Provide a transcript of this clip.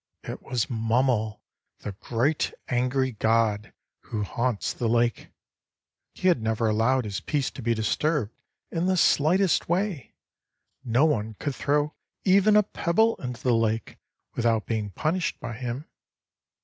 "It was Mummel, the great angry god, who haunts the lake. He had never allowed his peace to be disturbed in the slightest way. No one could throw even a pebble into the lake without being punished by him.